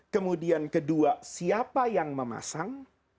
kemudian kedua siapa yang memasang